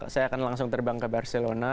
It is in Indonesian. saya akan langsung terbang ke barcelona